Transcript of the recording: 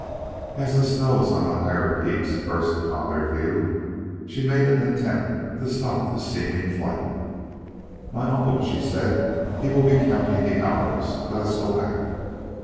As the snows of the higher peaks burst upon their view, she made an attempt to stop this seeming flight. "My uncle," she said. "He will be counting the hours. Let us go back."